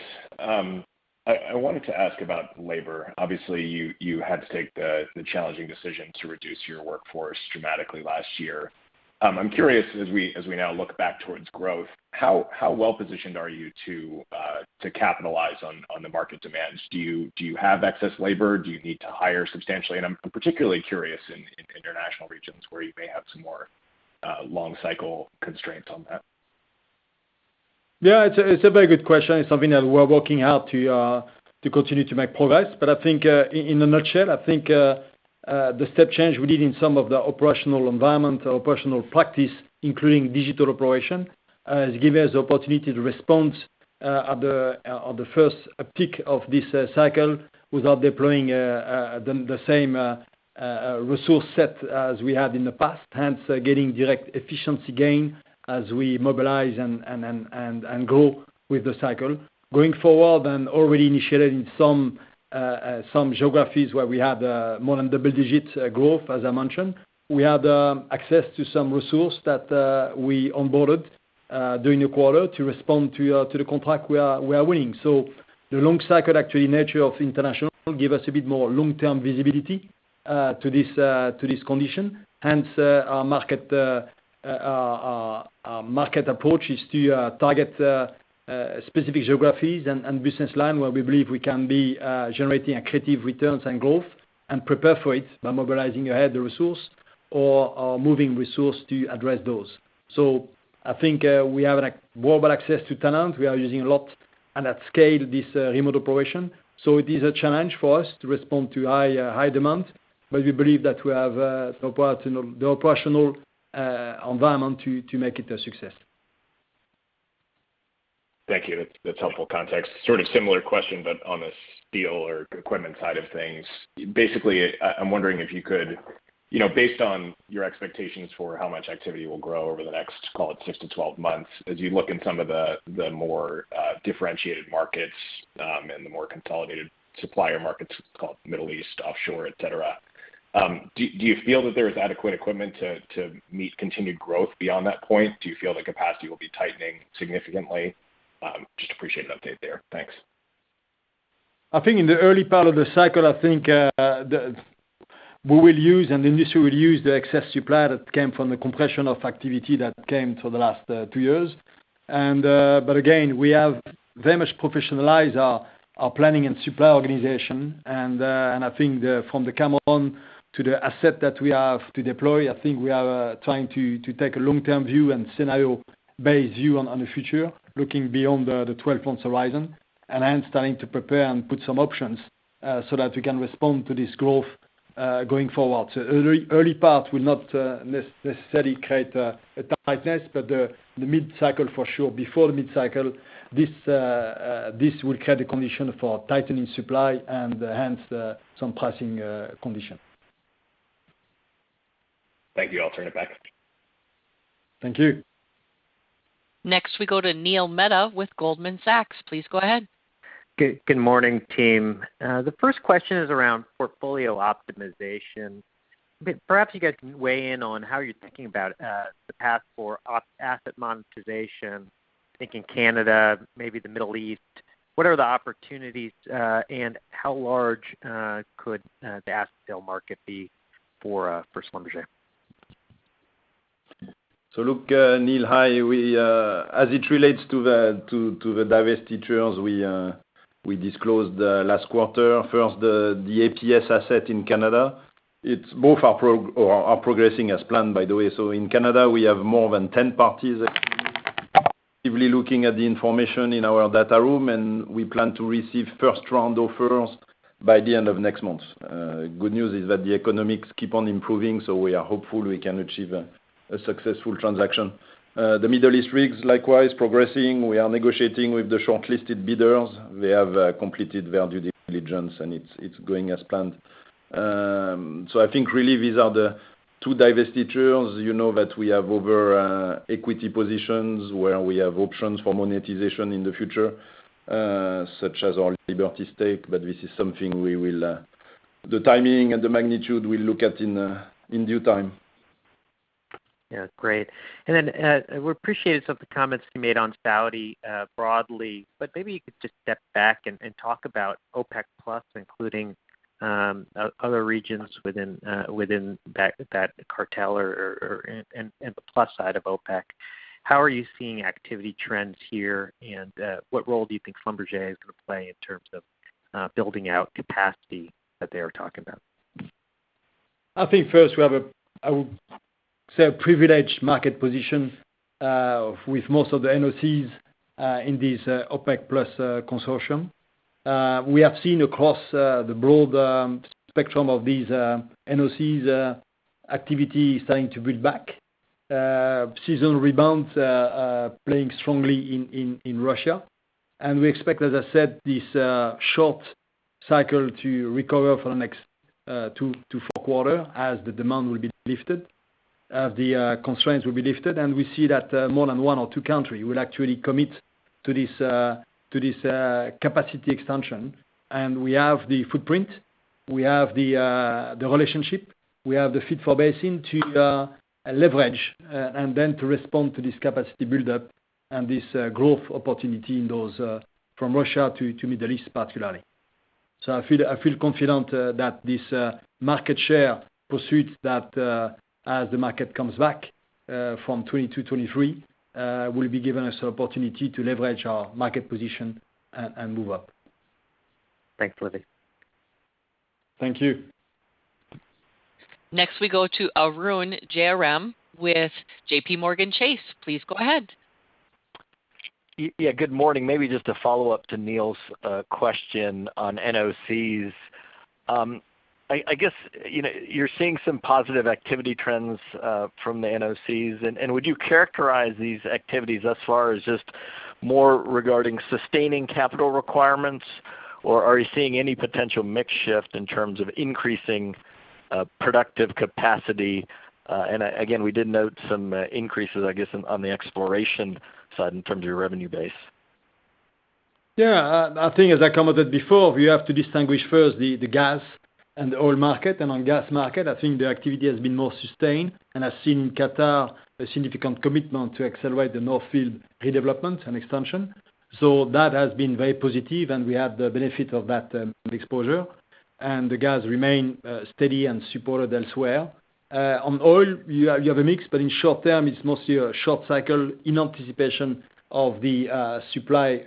I wanted to ask about labor. Obviously, you had to take the challenging decision to reduce your workforce dramatically last year. I'm curious, as we now look back towards growth, how well-positioned are you to capitalize on the market demands? Do you have excess labor? Do you need to hire substantially? I'm particularly curious in international regions where you may have some more long-cycle constraints on that. Yes, it's a very good question. It's something that we are working hard to continue to make progress. I think, in a nutshell, I think the step change we did in some of the operational environment or operational practice, including digital operation has given us the opportunity to respond at the first peak of this cycle without deploying the same resource set as we had in the past. Hence, getting direct efficiency gain as we mobilize and grow with the cycle. Going forward already initiated in some geographies where we had more than double-digit growth, as I mentioned. We had access to some resource that we onboarded during the quarter to respond to the contract we are winning. The long cycle, actually, nature of international give us a bit more long-term visibility to this condition. Hence, our market approach is to target specific geographies and business line where we believe we can be generating accretive returns and growth and prepare for it by mobilizing ahead the resource or moving resource to address those. I think we have a global access to talent. We are using a lot and at scale, this remote operation. It is a challenge for us to respond to high demand, but we believe that we have the operational environment to make it a success. Thank you. That's helpful context. Sort of similar question, but on the steel or equipment side of things. Basically, I'm wondering if you could, based on your expectations for how much activity will grow over the next, call it 6-12 months, as you look in some of the more differentiated markets, and the more consolidated supplier markets, call it the Middle East, offshore, etc., do you feel that there is adequate equipment to meet continued growth beyond that point? Do you feel the capacity will be tightening significantly? Just appreciate an update there. Thanks. I think in the early part of the cycle, I think we will use, and the industry will use the excess supply that came from the compression of activity that came for the last two years. Again, we have very much professionalized our planning and supply organization. I think from the Cameron to the asset that we have to deploy, I think we are trying to take a long-term view and scenario-based view on the future, looking beyond the 12 months horizon. Hence trying to prepare and put some options so that we can respond to this growth going forward. Early part will not necessarily create a tightness, but the mid-cycle for sure, before mid-cycle, this will create a condition for tightening supply and hence some pricing condition. Thank you. I'll turn it back. Thank you. Next we go to Neil Mehta with Goldman Sachs. Please go ahead. Good morning, team. The first question is around portfolio optimization. Perhaps you guys can weigh in on how you're thinking about the path for asset monetization. Thinking Canada, maybe the Middle East. What are the opportunities, and how large could the asset sale market be for Schlumberger? Look, Neil, hi. As it relates to the divestitures we disclosed last quarter. First, the APS asset in Canada. Both are progressing as planned, by the way. In Canada, we have more than 10 parties actively looking at the information in our data room, and we plan to receive first-round offers by the end of next month. Good news is that the economics keep on improving, we are hopeful we can achieve a successful transaction. The Middle East rigs, likewise, progressing. We are negotiating with the shortlisted bidders. They have completed their due diligence, it's going as planned. I think really these are the two divestitures, you know that we have over equity positions, where we have options for monetization in the future, such as our Liberty stake, this is something we will the timing and the magnitude we'll look at in due time. Great. We're appreciative of the comments you made on Saudi, broadly, but maybe you could just step back and talk about OPEC+, including other regions within that cartel and the plus side of OPEC. How are you seeing activity trends here? What role do you think Schlumberger is going to play in terms of building out capacity that they are talking about? I think first we have, I would say a privileged market position, with most of the NOCs in this OPEC+ consortium. We have seen across the broad spectrum of these NOCs activity starting to build back. Seasonal rebounds playing strongly in Russia. We expect, as I said, this short cycle to recover for the next two to four quarters as the demand will be lifted, the constraints will be lifted. We see that more than one or two countries will actually commit to this capacity expansion. We have the footprint, we have the relationship, we have the fit-for-basin to leverage, and then to respond to this capacity buildup and this growth opportunity in those from Russia to the Middle East particularly. I feel confident that this market share pursuits that, as the market comes back, from 2022, 2023, will be giving us an opportunity to leverage our market position and move up. Thanks, Olivier. Thank you. Next we go to Arun Jayaram with JPMorgan Chase. Please go ahead. Good morning. Maybe just a follow-up to Neil's question on NOCs. I guess, you're seeing some positive activity trends from the NOCs. Would you characterize these activities thus far as just more regarding sustaining capital requirements? Or are you seeing any potential mix shift in terms of increasing productive capacity? Again, we did note some increases, I guess, on the exploration side in terms of your revenue base. Yes. I think as I commented before, you have to distinguish first the gas and the oil market. On gas market, I think the activity has been more sustained and has seen in Qatar a significant commitment to accelerate the North Field redevelopment and expansion. That has been very positive, and we have the benefit of that exposure. The gas remain steady and supported elsewhere. On oil, you have a mix, but in short term, it's mostly a short cycle in anticipation of the supply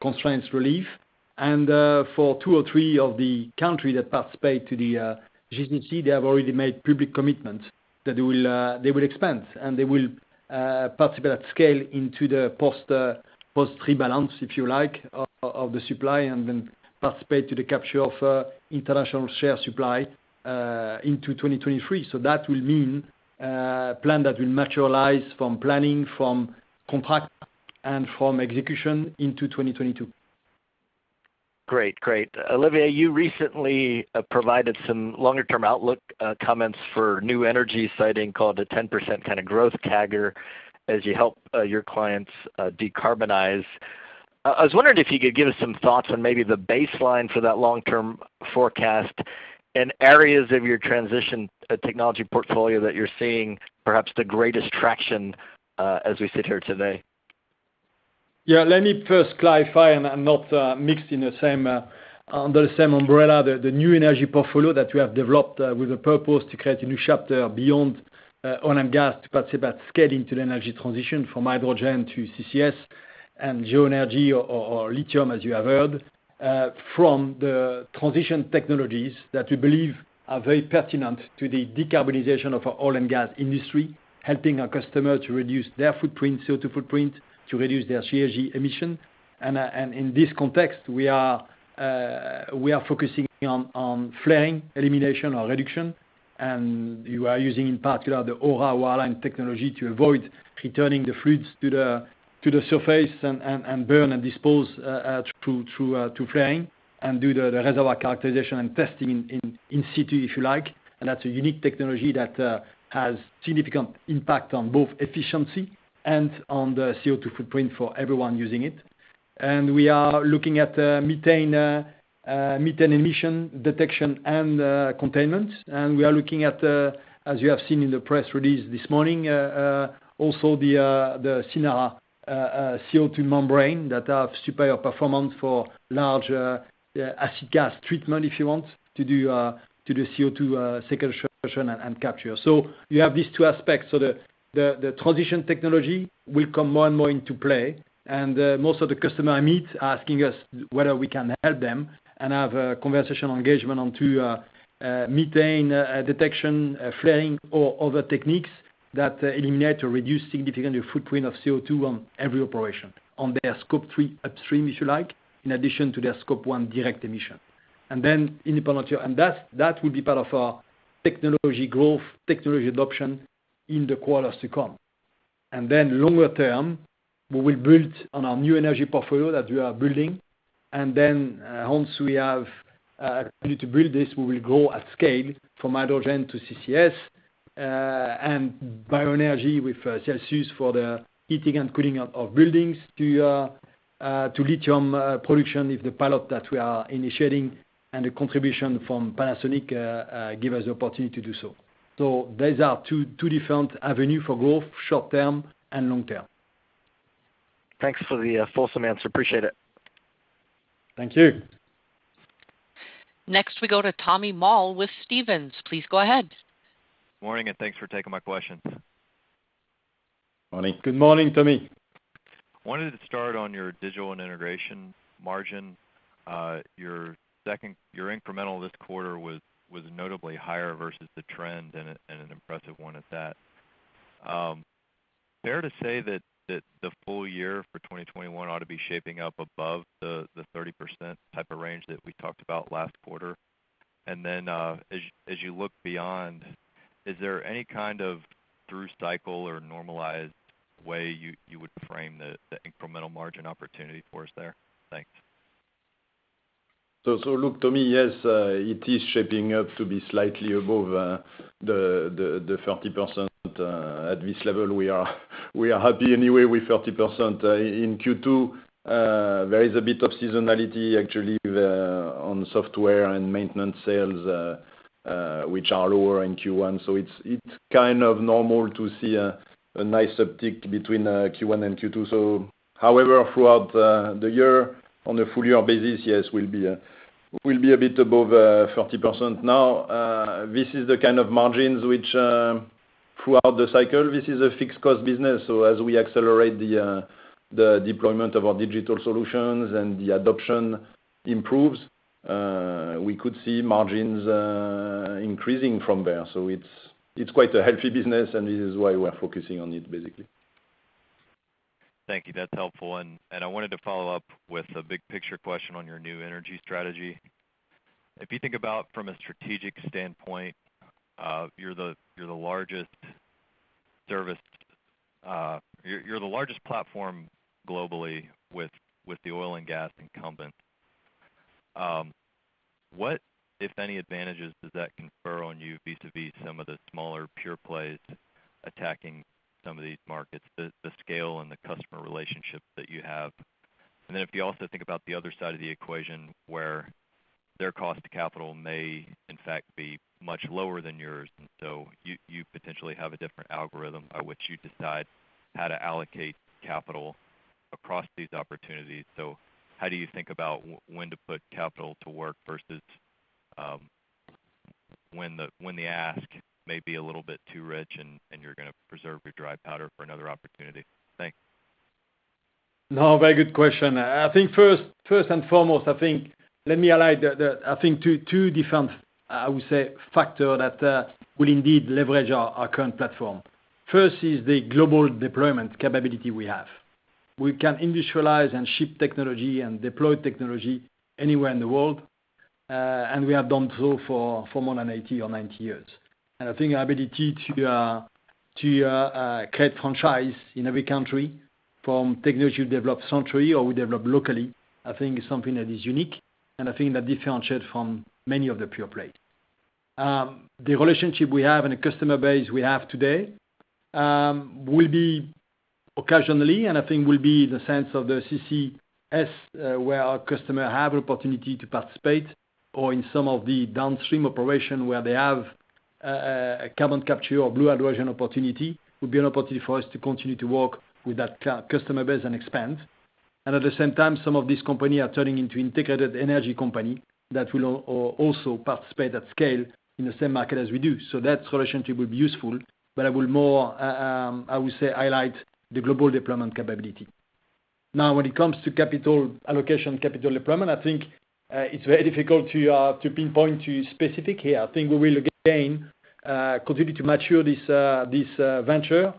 constraints relief. For two or three of the countries that participate to the JMMC, they have already made public commitment that they will expand, and they will participate at scale into the post rebalance, if you like, of the supply and then participate to the capture of international share supply into 2023. That will mean a plan that will materialize from planning, from contract, and from execution into 2022. Great. Olivier, you recently provided some longer term outlook, comments for new energy citing called a 10% kind of growth CAGR as you help your clients decarbonize. I was wondering if you could give us some thoughts on maybe the baseline for that long-term forecast and areas of your transition technology portfolio that you're seeing perhaps the greatest traction, as we sit here today. Yes. Let me first clarify, I'm not mixed under the same umbrella. The New Energy portfolio that we have developed with a purpose to create a new chapter beyond oil and gas to participate scaling to the energy transition from hydrogen to CCS and geoenergy or lithium, as you have heard, from the transition technologies that we believe are very pertinent to the decarbonization of our oil and gas industry, helping our customer to reduce their footprint, CO2 footprint, to reduce their GHG emission. In this context, we are focusing on flaring elimination or reduction. You are using in particular the Ora wireline technology to avoid returning the fluids to the surface and burn and dispose to flaring and do the reservoir characterization and testing in situ, if you like. That's a unique technology that has significant impact on both efficiency and on the CO2 footprint for everyone using it. We are looking at methane emission detection and containment. We are looking at, as you have seen in the press release this morning, also the Cynara CO2 membrane that have superior performance for large acid gas treatment, if you want to do CO2 sequestration and capture. You have these two aspects. The transition technology will come more and more into play. Most of the customer I meet asking us whether we can help them and have a conversational engagement onto methane detection, flaring, or other techniques that eliminate or reduce significantly the footprint of CO2 on every operation on their Scope 3 upstream, if you like, in addition to their Scope 1 direct emission. Then independent. That will be part of our technology growth, technology adoption in the quarters to come. Longer term, we will build on our New Energy portfolio that we are building. Once we have ability to build this, we will grow at scale from hydrogen to CCS, and bioenergy with Celsius for the heating and cooling of buildings to lithium production with the pilot that we are initiating and the contribution from Panasonic give us the opportunity to do so. Those are two different avenue for growth, short-term and long-term. Thanks for the full amounts. Appreciate it. Thank you. Next, we go to Tommy Moll with Stephens. Please go ahead. Morning, and thanks for taking my question. Morning. Good morning, Tommy. Wanted to start on your Digital & Integration margin. Your incremental this quarter was notably higher versus the trend, and an impressive one at that. Fair to say that the full year for 2021 ought to be shaping up above the 30% type of range that we talked about last quarter? As you look beyond, is there any kind of through cycle or normalized way you would frame the incremental margin opportunity for us there? Thanks. Look, Tommy, yes, it is shaping up to be slightly above the 30%. At this level, we are happy anyway with 30%. In Q2, there is a bit of seasonality, actually, on software and maintenance sales, which are lower in Q1. It's kind of normal to see a nice uptick between Q1 and Q2. However, throughout the year, on a full year basis, yes, we'll be a bit above 30%. Now, this is the kind of margins which, throughout the cycle, this is a fixed cost business. As we accelerate the deployment of our digital solutions and the adoption improves, we could see margins increasing from there. It's quite a healthy business, and this is why we're focusing on it, basically. Thank you. That's helpful. I wanted to follow up with a big picture question on your new energy strategy. If you think about from a strategic standpoint, you're the largest platform globally with the oil and gas incumbent. What, if any, advantages does that confer on you vis-a-vis some of the smaller pure plays attacking some of these markets, the scale and the customer relationship that you have? If you also think about the other side of the equation, where their cost to capital may, in fact, be much lower than yours. You potentially have a different algorithm by which you decide how to allocate capital across these opportunities. How do you think about when to put capital to work versus when the ask may be a little bit too rich and you're going to preserve your dry powder for another opportunity? Thanks. No, very good question. I think first and foremost, let me highlight, I think two different, I would say, factors that will indeed leverage our current platform. First is the global deployment capability we have. We can industrialize and ship technology and deploy technology anywhere in the world, we have done so for more than 80 or 90 years. I think our ability to create franchise in every country from technology we developed centrally or we develop locally, I think is something that is unique, and I think that differentiate from many of the pure play. The relationship we have and the customer base we have today, will be occasionally, and I think will be in the sense of the CCS, where our customer have an opportunity to participate, or in some of the downstream operation where they have a carbon capture or blue hydrogen opportunity, will be an opportunity for us to continue to work with that customer base and expand. At the same time, some of these company are turning into integrated energy company that will also participate at scale in the same market as we do. That relationship will be useful, but I would more say, highlight the global deployment capability. Now, when it comes to capital allocation, capital deployment, I think it's very difficult to pinpoint to specific here. I think we will, again, continue to mature this venture,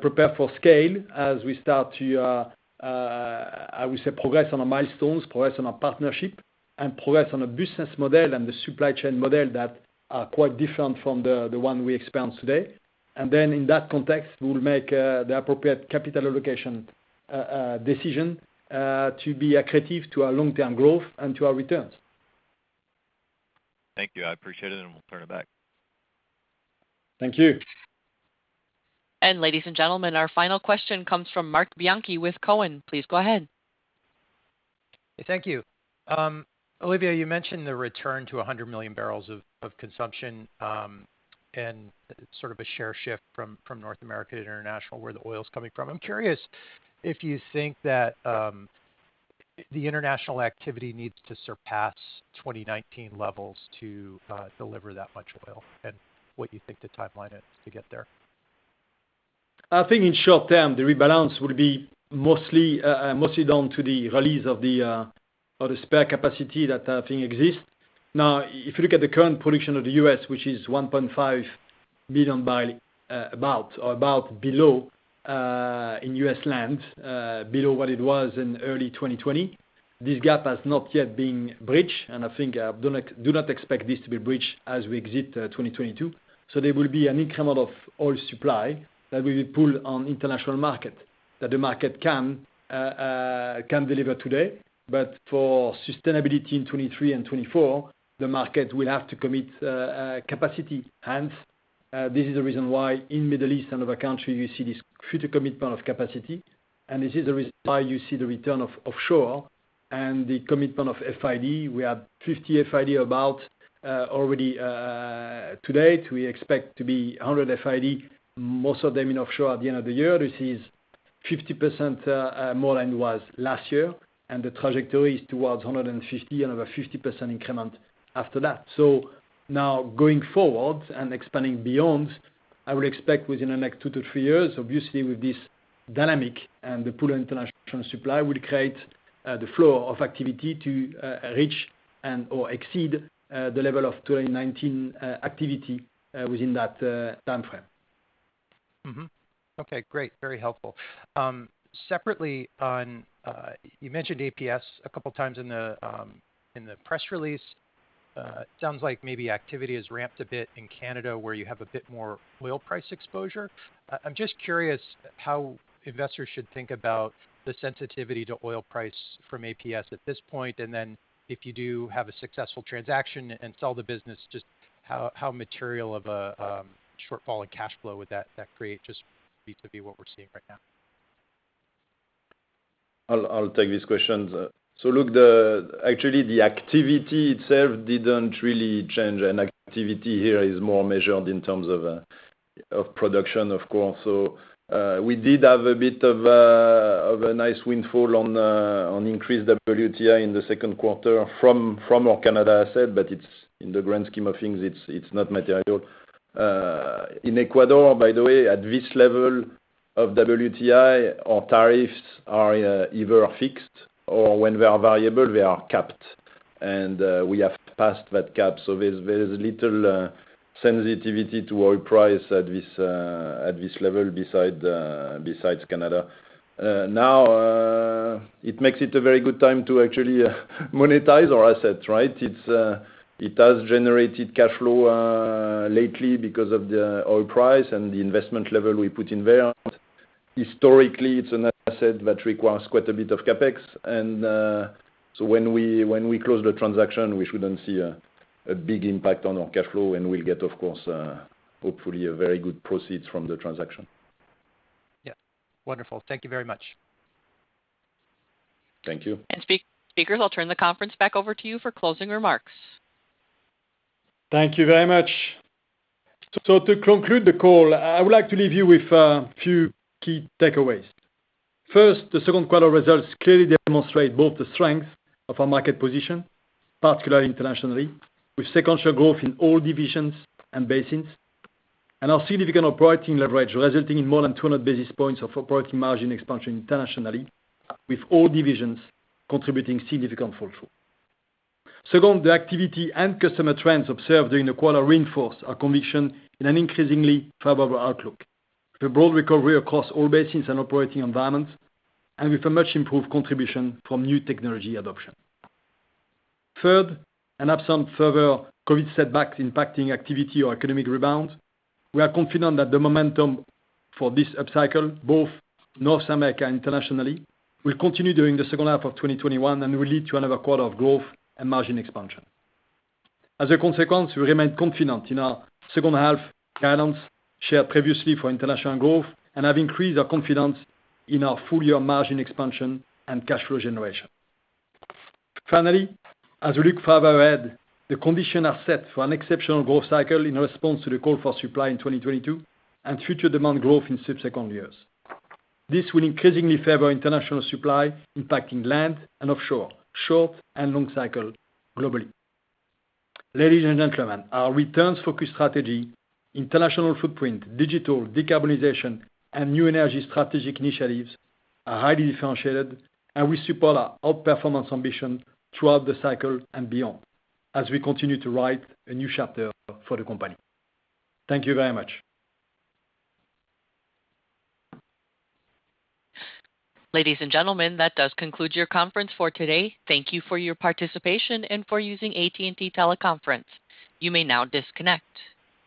prepare for scale as we start to, I would say, progress on our milestones, progress on our partnership, and progress on a business model and the supply chain model that are quite different from the one we expand today. In that context, we will make the appropriate capital allocation decision to be accretive to our long-term growth and to our returns. Thank you. I appreciate it, and we'll turn it back. Thank you. Ladies and gentlemen, our final question comes from Marc Bianchi with Cowen. Please go ahead. Thank you. Olivier, you mentioned the return to 100 million barrels of consumption, and sort of a share shift from North America to international, where the oil's coming from. I'm curious if you think that the international activity needs to surpass 2019 levels to deliver that much oil, and what you think the timeline is to get there? I think in short-term, the rebalance will be mostly down to the release of the spare capacity that I think exists. If you look at the current production of the U.S., which is 1.5 million, about or below in U.S. land below what it was in early 2020. This gap has not yet been bridged. I do not expect this to be bridged as we exit 2022. There will be an increment of oil supply that will be pulled on international market, that the market can deliver today. For sustainability in 2023 and 2024, the market will have to commit capacity. Hence, this is the reason why in the Middle East and other countries, you see this future commitment of capacity. This is the reason why you see the return of offshore and the commitment of FIDs. We have 50 FIDs about already to date. We expect to be 100 FID, most of them in offshore at the end of the year. This is 50% more than it was last year, and the trajectory is towards 150, another 50% increment after that. Now going forward and expanding beyond, I would expect within the next two to three years, obviously with this dynamic and the pool of international supply will create the flow of activity to reach and/or exceed the level of 2019 activity within that timeframe. Okay, great. Very helpful. Separately on, you mentioned APS a couple times in the press release. Sounds like maybe activity has ramped a bit in Canada where you have a bit more oil price exposure. I'm just curious how investors should think about the sensitivity to oil price from APS at this point. If you do have a successful transaction and sell the business, just how material of a shortfall in cash flow would that create just vis-a-vis what we're seeing right now? I'll take this question. Look, actually the activity itself didn't really change, and activity here is more measured in terms of production, of course. We did have a bit of a nice windfall on increased WTI in Q2 from our Canada asset, but in the grand scheme of things, it's not material. In Ecuador, by the way, at this level of WTI, our tariffs are either fixed or when they are variable, they are capped. We have passed that cap. There is little sensitivity to oil price at this level besides Canada. Now, it makes it a very good time to actually monetize our assets, right? It has generated cash flow lately because of the oil price and the investment level we put in there. Historically, it's an asset that requires quite a bit of CapEx and, so when we close the transaction, we shouldn't see a big impact on our cash flow, and we'll get, of course, hopefully a very good proceeds from the transaction. Yes. Wonderful. Thank you very much. Thank you. I'll turn the conference back over to you for closing remarks. Thank you very much. To conclude the call, I would like to leave you with a few key takeaways. First, Q2 results clearly demonstrate both the strength of our market position, particularly internationally, with sequential growth in all divisions and basins, and our significant operating leverage resulting in more than 200 basis points of operating margin expansion internationally, with all divisions contributing significant fall-through. Second, the activity and customer trends observed during the quarter reinforce our conviction in an increasingly favorable outlook with a broad recovery across all basins and operating environments and with a much-improved contribution from new technology adoption. Third, absent further COVID setbacks impacting activity or economic rebound, we are confident that the momentum for this upcycle, both North America and internationally, will continue during the second half of 2021 and will lead to another quarter of growth and margin expansion. As a consequence, we remain confident in our second half guidance shared previously for international growth and have increased our confidence in our full-year margin expansion and cash flow generation. As we look further ahead, the conditions are set for an exceptional growth cycle in response to the call for supply in 2022 and future demand growth in subsequent years. This will increasingly favor international supply, impacting land and offshore, short and long cycle globally. Ladies and gentlemen, our returns-focused strategy, international footprint, digital, decarbonization, and New Energy strategic initiatives are highly differentiated and will support our outperformance ambition throughout the cycle and beyond as we continue to write a new chapter for the company. Thank you very much. Ladies and gentlemen, that does conclude your conference for today. Thank you for your participation and for using AT&T Teleconference. You may now disconnect.